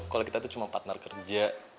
kalau kita itu cuma partner kerja